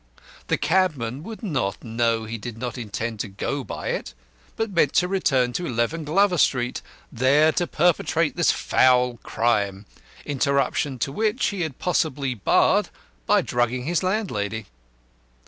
The cabman would not know he did not intend to go by it, but meant to return to 11 Glover Street, there to perpetrate this foul crime, interruption to which he had possibly barred by drugging his landlady.